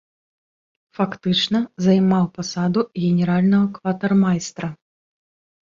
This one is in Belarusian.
Фактычна займаў пасаду генеральнага кватармайстра.